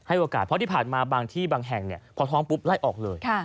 โอกาสเพราะที่ผ่านมาบางที่บางแห่งพอท้องปุ๊บไล่ออกเลย